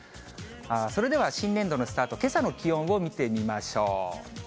それでは、新年度のスタート、けさの気温を見てみましょう。